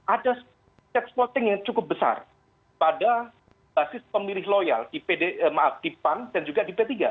ada set spotting yang cukup besar pada basis pemilih loyal maaf di pan dan juga di p tiga